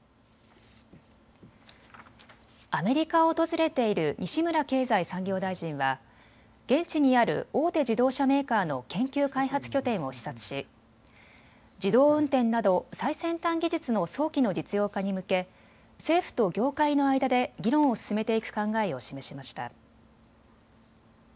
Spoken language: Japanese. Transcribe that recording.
アメリカを訪れている西村経済産業大臣は現地にある大手自動車メーカーの研究開発拠点を視察し、自動運転など最先端技術の早期の実用化に向け政府と業界の間で議論を進めていく考えを示しました。